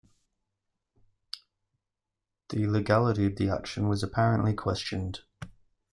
The legality of the action was apparently questioned.